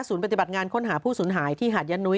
ศูนย์ปฏิบัติงานค้นหาผู้สูญหายที่หาดยันต์นุ้ย